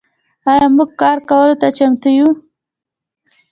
آیا موږ کار کولو ته چمتو یو؟